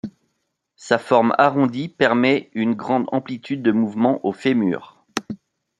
Sa forme arrondie permet une grande amplitude de mouvement au fémur.